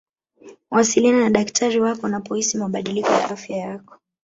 wasiliana na dakitari wako unapohisi mabadiliko ya afya yako